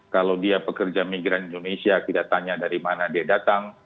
kalau dia pekerja migran indonesia kita tanya dari mana dia datang